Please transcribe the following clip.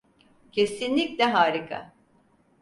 Kesinlikle harika.